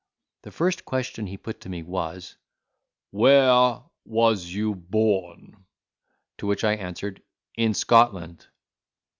The first question he put to me was, "Where was you born?" To which I answered, "In Scotland."